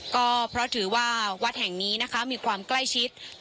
ก็เพราะถือว่าวัดแห่งนี้นะคะมีความใกล้ชิด